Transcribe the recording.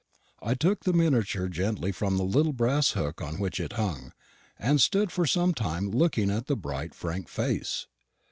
I took the miniature gently from the little brass hook on which it hung, and stood for some time looking at the bright frank face.